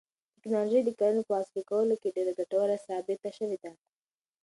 تکنالوژي د کرنې په عصري کولو کې ډېره ګټوره ثابته شوې ده.